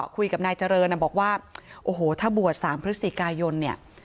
คุยกับนายเจริญบอกว่าโอ้โหถ้าบวช๓พฤศจิกายนเนี่ย